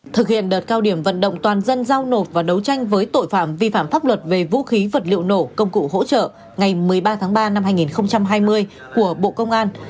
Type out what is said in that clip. thực hiện đợt cao điểm vận động toàn dân giao nộp và đấu tranh với tội phạm vi phạm pháp luật về vũ khí vật liệu nổ công cụ hỗ trợ ngày một mươi ba tháng ba năm hai nghìn hai mươi của bộ công an